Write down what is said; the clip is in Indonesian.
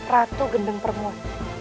ratu gendeng permur